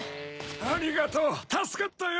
ありがとうたすかったよ